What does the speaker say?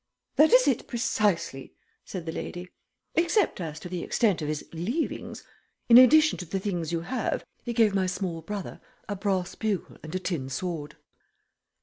"That is it precisely," said the lady. "Except as to the extent of his 'leavings.' In addition to the things you have he gave my small brother a brass bugle and a tin sword."